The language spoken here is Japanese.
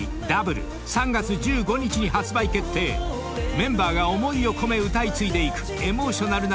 ［メンバーが思いを込め歌い継いでいくエモーショナルな楽曲となっています。